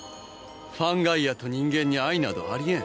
ファンガイアと人間に愛などありえん。